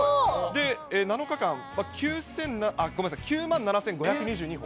７日間、９万７５２２歩。